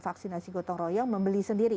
vaksinasi gotong royong membeli sendiri